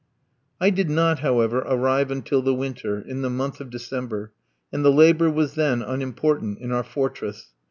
I did not, however, arrive until the winter in the month of December and the labour was then unimportant in our fortress.